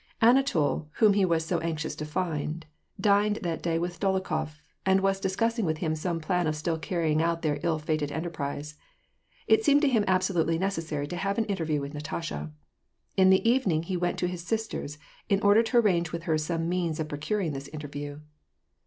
Anatol, whom he was so anxious to find, dined that day with Dolokhof ; and was discussing with him some plan of still carrying out their ill fated enterprise. It seemed to him absolutely necessary to have an interview with Natasha. In the evening, he went to his sister's, in order to arrange with her some means of procuring this interview.